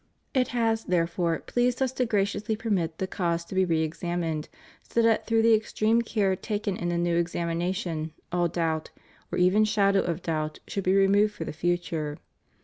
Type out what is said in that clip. It has, therefore, pleased Us to graciously permit the cause to be re examined so that through the extreme care taken in the new examination all doubt, or even shadow of doubt, should be removed for the future.